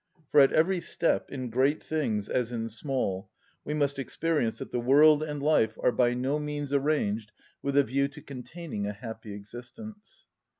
For at every step, in great things as in small, we must experience that the world and life are by no means arranged with a view to containing a happy existence.